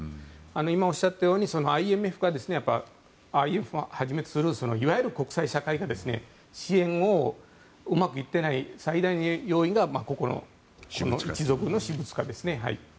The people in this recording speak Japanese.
今、おっしゃったようにＩＭＦをはじめとするいわゆる国際社会の支援がうまくいっていない最大の要因がここの一族の私物化ですね。